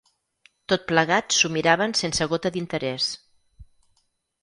Tot plegat s'ho miraven sense gota d'interès